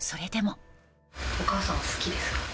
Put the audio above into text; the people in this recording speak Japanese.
お母さんは好きですか？